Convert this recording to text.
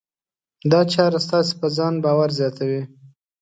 دا چاره ستاسې په ځان باور زیاتوي.